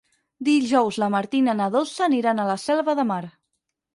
Dijous na Martina i na Dolça aniran a la Selva de Mar.